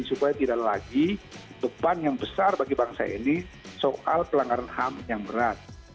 supaya tidak lagi beban yang besar bagi bangsa ini soal pelanggaran ham yang berat